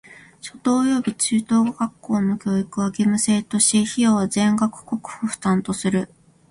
初等および中等学校の教育は義務制とし、費用は全額国庫負担とする。